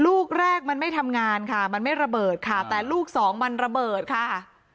ลูกแรกมันไม่ทำงานค่ะมันไม่ระเบิดค่ะแต่ลูกสองมันระเบิดค่ะ